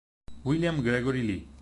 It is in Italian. William Gregory Lee